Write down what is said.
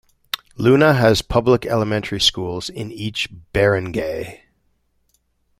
Luna has Public Elementary schools in each barangay.